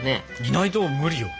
いないと無理よ。